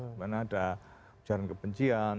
dimana ada ujaran kebencian